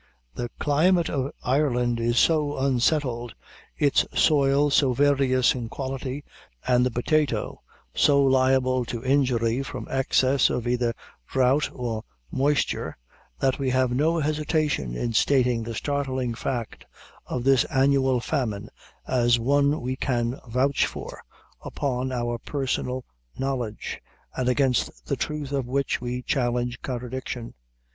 The climate of Ireland is so unsettled, its soil so various in quality and the potato so liable to injury from excess of either drought or moisture, that we have no hesitation in stating the startling fact of this annual famine as one we can vouch for, upon our personal knowledge, and against the truth of which we challenge contradiction.